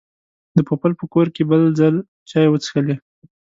د پوپل په کور کې بل ځل چای وڅښلې.